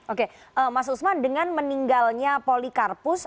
oke mas usman dengan meninggalnya polikarpus